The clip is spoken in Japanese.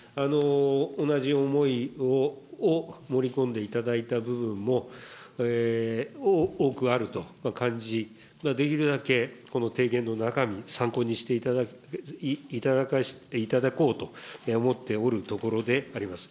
同じ思いを盛り込んでいただいた部分も多くあると感じ、できるだけこの提言の中身、参考にしていただこうと思っておるところであります。